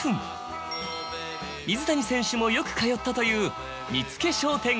水谷選手もよく通ったという。